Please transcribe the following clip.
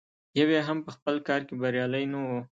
یو یې هم په خپل کار کې بریالی نه و.